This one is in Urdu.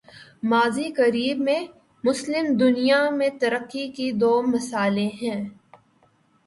ماضی قریب میں، مسلم دنیا میں ترقی کی دو مثالیں ہیں۔